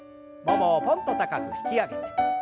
ももをぽんと高く引き上げて。